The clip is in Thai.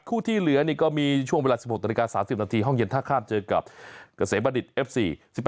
คู่ที่เหลือก็มีช่วงเวลา๑๖ตร๓๐นาทีห้องเย็นท่าข้ามเจอกับเกษตร์บาดิตเอฟซี